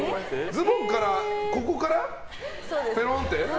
ズボンのここからペロンって？